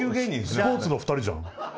スポーツの２人じゃん。